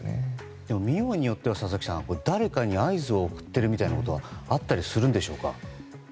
でも、見ようによっては佐々木さん、誰かに合図を送っているようなことはあったりするんでしょうか。